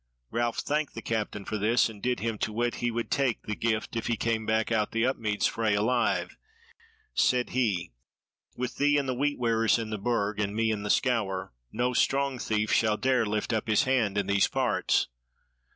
Ralph thanked the Captain for this, and did him to wit that he would take the gift if he came back out the Upmeads fray alive: said he, "With thee and the Wheat wearers in the Burg, and me in the Scaur, no strong thief shall dare lift up his hand in these parts."